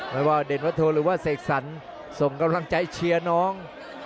ไม่ว่าเด่นวัฒโธหรือว่าเสกสรรส่งกำลังใจเชียร์น้อง